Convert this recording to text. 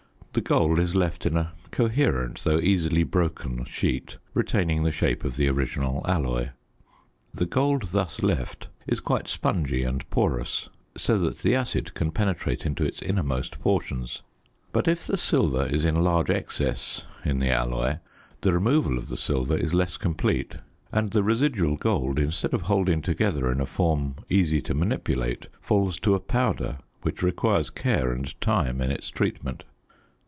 The gold is left in a coherent, though easily broken, sheet retaining the shape of the original alloy. The gold thus left is quite spongy and porous, so that the acid can penetrate into its innermost portions. But if the silver is in large excess in the alloy, the removal of the silver is less complete, and the residual gold, instead of holding together in a form easy to manipulate, falls to a powder which requires care and time in its treatment.